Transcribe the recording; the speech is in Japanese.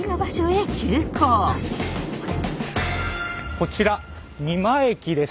こちら仁万駅です。